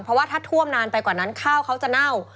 เพราะว่าถ้าท่วมนานไปกว่านั้นข้าวเขาจะเน่า